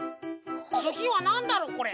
つぎはなんだろ？これ。